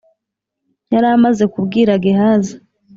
yari amaze kubwira Gehazi